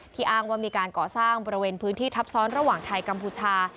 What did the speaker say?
อ้างว่ามีการก่อสร้างบริเวณพื้นที่ทับซ้อนระหว่างไทยกัมพูชา